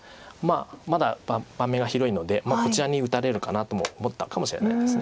まだ盤面が広いのでこちらに打たれるかなとも思ったかもしれないです。